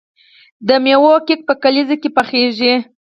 د میوو کیک په کلیزو کې پخیږي.